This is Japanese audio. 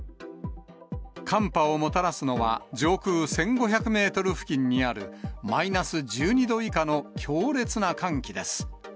寒波をもたらすのは、上空１５００メートル付近にあるマイナス１２度以下の強烈な寒気です。